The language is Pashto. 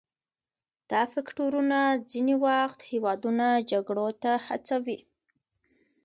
دا فکتورونه ځینې وخت هیوادونه جګړو ته هڅوي